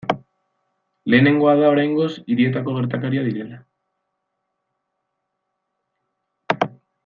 Lehenengoa da oraingoz hirietako gertakaria direla.